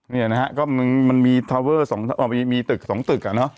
นี่นะครับก็มันมีตึก๒ตึก